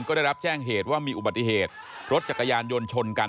ก็ได้รับแจ้งเหตุว่ามีอุบัติเหตุรถจักรยานยนต์ชนกัน